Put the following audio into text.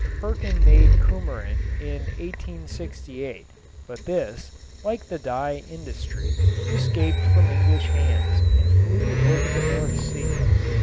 Perkin made cumarin in 1868, but this, like the dye industry, escaped from English hands and flew over the North Sea.